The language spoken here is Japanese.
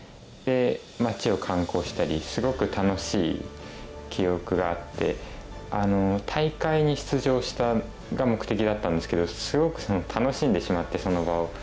で街を観光したりすごく楽しい記憶があって大会に出場したが目的だったんですけどすごく楽しんでしまってその場を。